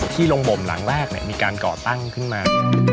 ลงบ่มหลังแรกมีการก่อตั้งขึ้นมา